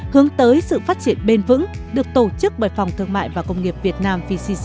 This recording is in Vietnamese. hướng tới sự phát triển bền vững được tổ chức bởi phòng thương mại và công nghiệp việt nam